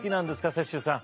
雪洲さん。